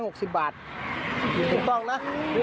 ทุเรียนอ่อนป๊าก็งงไง